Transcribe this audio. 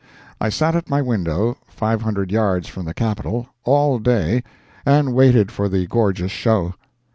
I sat at my window, 500 yards from the Capitol, all day, and waited for the gorgeous show.